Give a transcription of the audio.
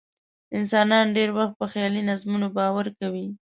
انسانان ډېری وخت په خیالي نظمونو باور کوي.